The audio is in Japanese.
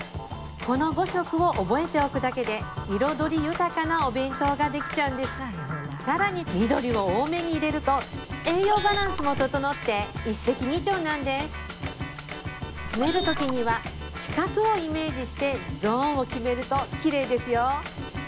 この５色を覚えておくだけで彩り豊かなお弁当ができちゃうんです更に緑を多めに入れると栄養バランスも整って一石二鳥なんです詰めるときには四角をイメージしてゾーンを決めるときれいですよ